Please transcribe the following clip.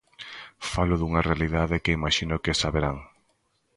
Falo dunha realidade que imaxino que saberán.